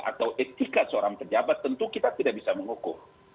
atau etika seorang pejabat tentu kita tidak bisa menghukum